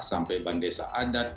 sampai bandesa adat